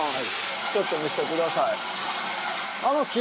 ちょっと見せてください。